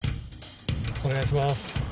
あっお願いします。